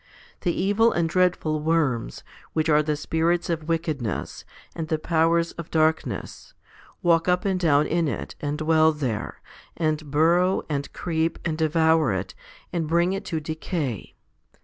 The evil and dreadful worms, which are the spirits of wickedness, and the powers of darkness, walk up and down in it, and dwell there, and burrow, and creep, and devour it, and bring it to decay.